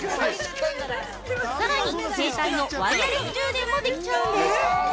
さらに、携帯のワイヤレス充電もできちゃうんです！